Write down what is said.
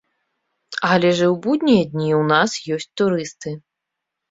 Але ж і ў будныя дні ў нас ёсць турысты.